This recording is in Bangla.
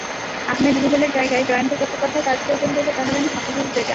আহমেদ রুবেলের জায়গায় জয়ন্ত চট্টোপধ্যায় কাজ করবেন বলে জানালেন হাসিবুর রেজা।